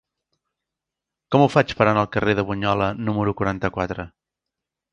Com ho faig per anar al carrer de Bunyola número quaranta-quatre?